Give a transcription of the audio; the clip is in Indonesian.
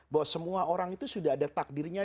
bahwa semua orang itu sudah ada takdirnya